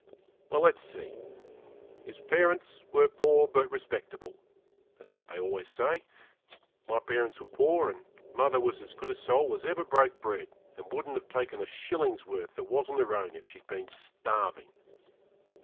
Well, let's see; his parents were poor, but respectable. That's what they always say. My parents were poor, and mother was as good a soul as ever broke bread, and wouldn't have taken a shilling's worth that wasn't her own if she'd been starving.